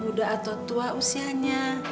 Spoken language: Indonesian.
muda atau tua usianya